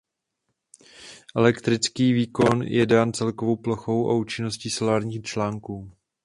Elektrický výkon je dán celkovou plochou a účinností solárních článků.